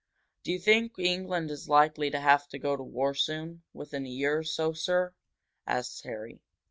"Do you think England is likely to have to go to war soon within a year or so, sir?" asked Harry.